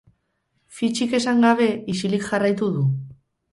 Fitxik esan gabe ixilik jarraitu du.